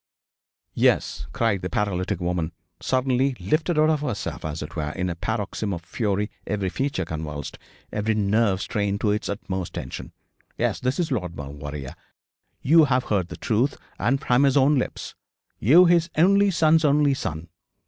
'Yes,' cried the paralytic woman, suddenly lifted out of herself, as it were, in a paroxysm of fury, every feature convulsed, every nerve strained to its utmost tension; 'yes, this is Lord Maulevrier. You have heard the truth, and from his own lips. You, his only son's only son.